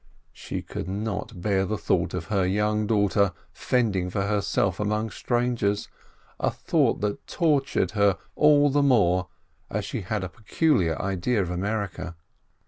She could not bear the thought of her young daughter fending for herself among strangers — a thought that tortured her all the more as she had a peculiar idea of America.